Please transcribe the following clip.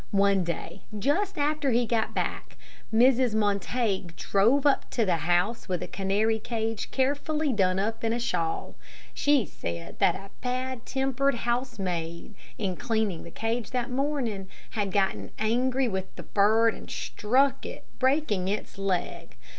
One day, just after he got back, Mrs. Montague drove up to the house with a canary cage carefully done up in a shawl. She said that a bad tempered housemaid, in cleaning the cage that morning, had gotten angry with the bird and struck it, breaking its leg.